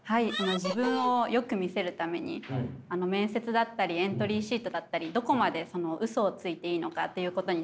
自分をよく見せるために面接だったりエントリーシートだったりどこまでウソをついていいのかっていうことに悩んでおります。